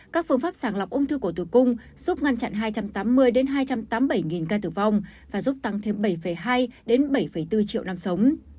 các phương pháp sàng lọc ung thư cổ tử cung giúp ngăn chặn hai trăm tám mươi hai trăm tám mươi bảy ca tử vong và giúp tăng thêm bảy hai bảy bốn triệu năm sống